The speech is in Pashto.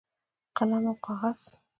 قلم او کاغذ